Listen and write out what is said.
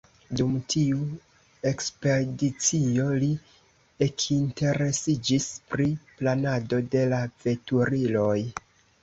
Dum tiu ekspedicio, li ekinteresiĝis pri planado de la veturiloj.